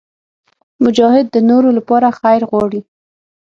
مجاهد د نورو لپاره خیر غواړي.